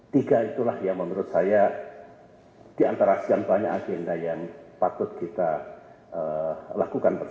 tiga itulah yang menurut saya diantara banyak agenda yang patut kita lakukan